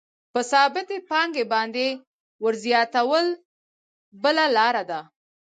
په ثابتې پانګې باندې ورزیاتول بله لاره ده